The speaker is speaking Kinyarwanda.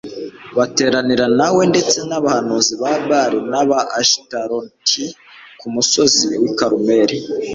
bateranira nawe ndetse nabahanuzi ba Bali na Ashitaroti ku musozi wi Karumeli